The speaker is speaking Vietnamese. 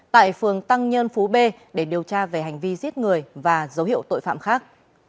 tại phường tăng nhân phú b để điều tra về hành vi giết người và dấu hiệu tội phạm khác